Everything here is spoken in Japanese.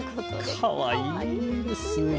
かわいいですね。